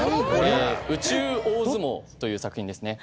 『宇宙大相撲』という作品ですね。